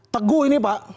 teguh ini pak